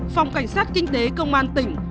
phòng cảnh sát kinh tế công an tỉnh